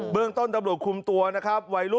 นักเรียงมัธยมจะกลับบ้าน